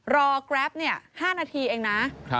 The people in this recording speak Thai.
รอกราฟคาร์๕นาทีเองนะ